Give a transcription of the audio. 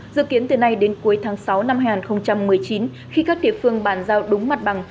dự kiến từ nay đến cuối tháng sáu năm hai nghìn một mươi chín khi các địa phương bàn giao đúng mặt bằng